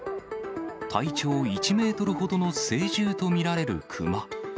体長１メートルほどの成獣と見られる熊。